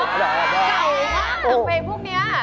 เจ๊ไม่เห็นเขากำลังขึ้นโอนา